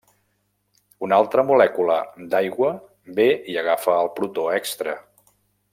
Una altra molècula d'aigua ve i agafa el protó extra.